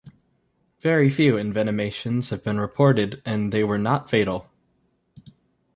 Very few envenomations have been reported and they were not fatal.